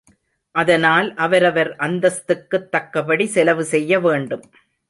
அதனால் அவரவர் அந்தஸ்துக்குத் தக்கபடி செலவு செய்ய வேண்டும்.